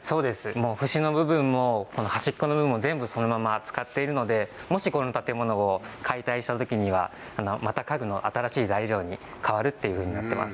節の部分も端っこの部分も全部そのまま使っているのでもしこの建物を解体した時にはまた家具の新しい材料に変わるということになります。